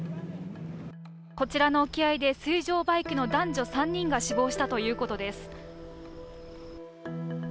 こちらの沖合で水上バイクの男女３人が死亡したということです。